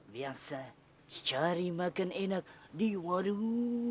biasa cari makan enak di warung